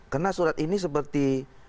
karena surat ini seperti